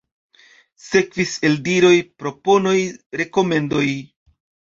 Sekvis eldiroj, proponoj, rekomendoj.